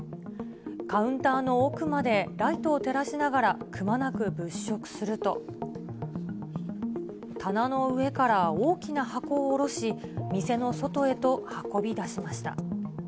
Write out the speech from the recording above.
カウンターの奥までライトを照らしながらくまなく物色すると、棚の上から大きな箱を下ろし、店の外へと運び出しました。